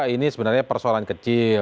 ini sebenarnya persoalan kecil